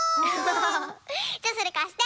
じゃそれかして。